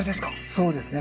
そうですね。